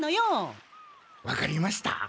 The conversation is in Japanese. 分かりました？